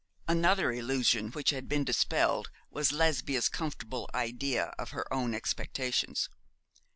Another illusion which had been dispelled was Lesbia's comfortable idea of her own expectations.